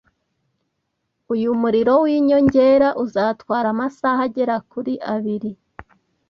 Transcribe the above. Uyu murimo winyongera uzatwara amasaha agera kuri abiri